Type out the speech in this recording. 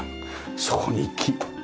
そこに木。